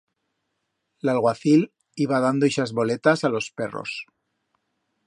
L'alguacil iba dando ixas boletas a los perros.